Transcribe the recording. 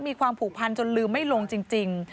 มีความผูกพันจนลืมไม่ลงจริง